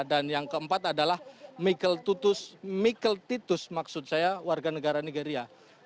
dan yang keempat adalah mikkel titus maksud saya warga negara nigeria